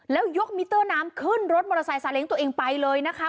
แล้วยกมิเตอร์น้ำขึ้นรถมอเตอร์ไซเล้งตัวเองไปเลยนะคะ